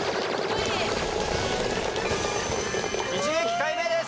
一撃解明です！